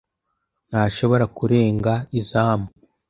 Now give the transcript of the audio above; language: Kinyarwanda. ntashobora kurenga izamu.